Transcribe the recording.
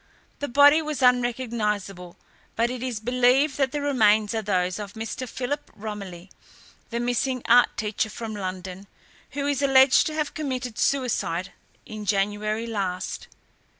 The body was unrecognisable but it is believed that the remains are those of Mr. Philip Romilly, the missing art teacher from London, who is alleged to have committed suicide in January last.